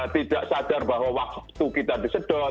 tidak sadar bahwa waktu kita disedot